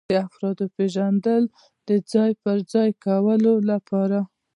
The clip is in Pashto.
د افرادو پیژندل د ځای پر ځای کولو لپاره.